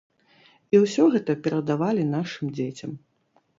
І ўсё гэта перадавалі нашым дзецям.